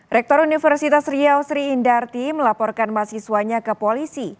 rektor universitas riau sri indarti melaporkan mahasiswanya ke polisi